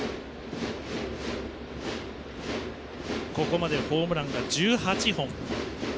ここまでホームランが１８本。